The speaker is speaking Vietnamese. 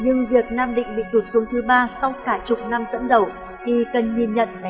nhưng việc nam định bị đột xuống thứ ba sau cả chục năm dẫn đầu thì cần nhìn nhận đánh giá lại